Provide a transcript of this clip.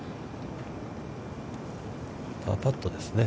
パーパットですね。